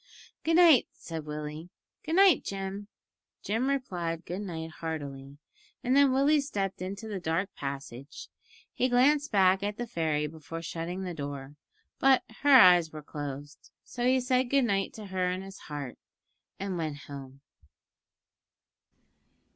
"Good night," said Willie; "good night, Jim." Jim replied good night heartily, and then Willie stepped into the dark passage. He glanced back at the fairy before shutting the door, but her eyes were closed, so he said good night to her in his heart, and went home.